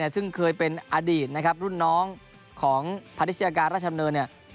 ซึ่งเคยเป็นอดีตนะครับร่วมพัทธิชยาการราชนเนินเนี่ย